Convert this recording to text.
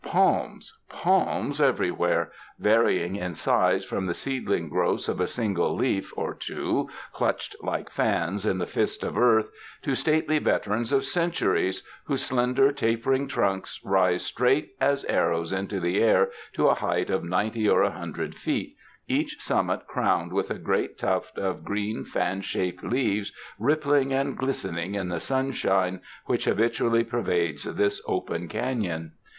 Palms, palms, everywhere, varying in size from the seedling growths of a single leaf or two clutched like fans in the fist of earth, to stately veterans of centuries, whose slender, tapering trunks rise straight as arrows into the air to a height of ninety or a hundred feet, each summit crowned with a great tuft of green fan shaped leaves rippling and glistening in the sunshine which habitually pervades this open canon.